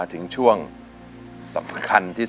เพื่อรับรองเหมือนเดิม